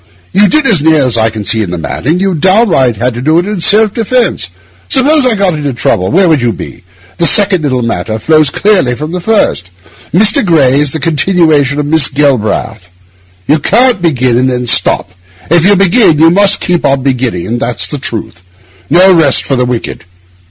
You did, as near as I can see the matter, what you downright had to do in self defence. Suppose I got into trouble, where would you be? This second little matter flows clearly from the first. Mr. Gray is the continuation of Miss Galbraith. You can't begin and then stop. If you begin, you must keep on beginning; that's the truth. No rest for the wicked.